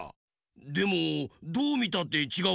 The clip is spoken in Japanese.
でもどうみたってちがうよな。